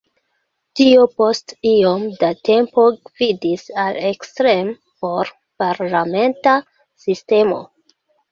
Tio post iom da tempo gvidis al ekstreme por-parlamenta sistemo.